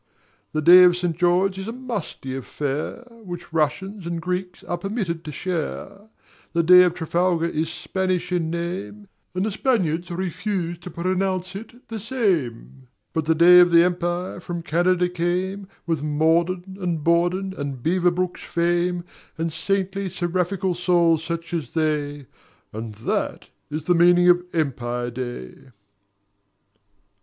The day of St. George is a musty affair Which Russians and Greeks are permitted to share; The day of Trafalgar is Spanish in name And the Spaniards refuse to pronounce it the same; But the Day of the Empire from Canada came With Morden and Borden and Beaverbrook's fame And saintly seraphical souls such as they: And that is the meaning of Empire Day.